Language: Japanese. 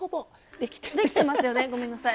できてますよねごめんなさい。